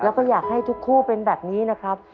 แล้วก็อยากให้ทุกคู่เป็นแบบนี้นะครับ